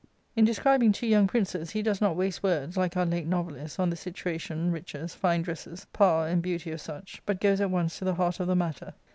"* In describing two young princes, he does not waste words, like our late novelists, on the situation, riches, fine dresses, power, and beauty of such, but goes at once to the heart of the matter.